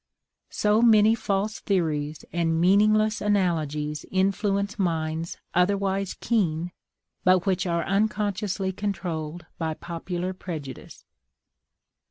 So many false theories and meaningless analogies influence minds otherwise keen, but which are unconsciously controlled by popular prejudice.